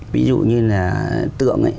ví dụ như là tượng ấy